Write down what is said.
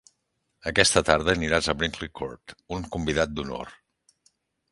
Aquesta tarda aniràs a Brinkley Court, un convidat d'honor.